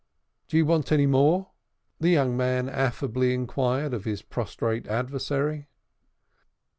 "Do you want any more?" the young man affably inquired of his prostrate adversary.